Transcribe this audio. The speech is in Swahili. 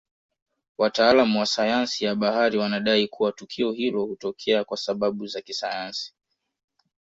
Wataalamu wa sayansi ya bahari wanadai kua tukio hilo hutokea kwasababu za kisayansi